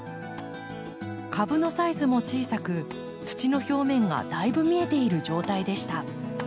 株のサイズも小さく土の表面がだいぶ見えている状態でした。